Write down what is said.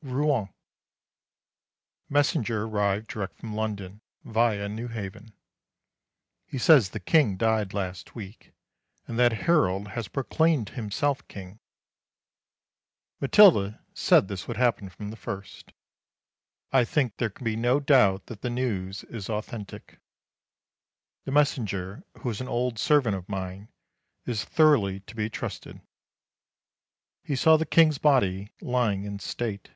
Rouen. Messenger arrived direct from London, via Newhaven. He says the King died last week, and that Harold has proclaimed himself King. Matilda said this would happen from the first. I think there can be no doubt that the news is authentic. The messenger, who is an old servant of mine, is thoroughly to be trusted. He saw the King's body lying in state.